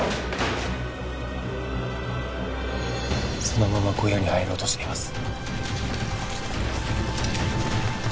・そのまま小屋に入ろうとしています